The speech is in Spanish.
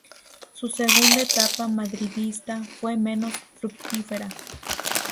Su segunda etapa madridista fue menos fructífera.